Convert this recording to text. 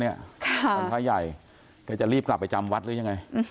พระอาทิตย์ใหญ่จะรีบกลับไปจำวัดหรือยังไง